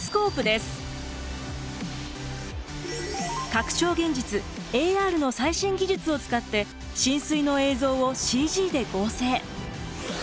拡張現実ＡＲの最新技術を使って浸水の映像をＣＧで合成。